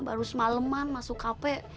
baru semaleman masuk kafe